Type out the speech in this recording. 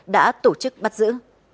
đã tổ chức bắt giữ